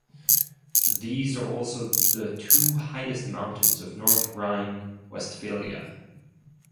These are also the two highest mountains of North Rhine-Westphalia.